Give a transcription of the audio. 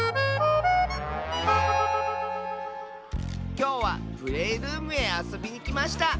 きょうはプレールームへあそびにきました！